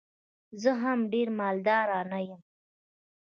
زه هم ډېر مالدار نه یم.